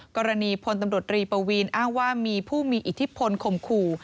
กรณีพลตำรวจรีปวีนอ้างว่ามีผู้มีอิทธิพลข่มขู่